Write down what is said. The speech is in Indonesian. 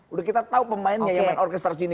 udah kita tau pemainnya yang main orkestrasi ini